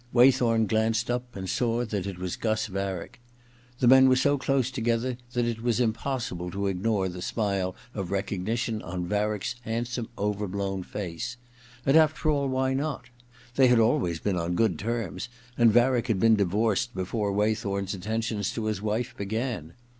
Waythorn glanced up and saw that it was Gus Varick. Th<5 men were so close together that it was impossible to ignore the smile of recognition on Varick's handsome overblown face. And after all — why not.? They had always been on good terms, and Varick had been divorced before Waythorn's attentions to his wife began.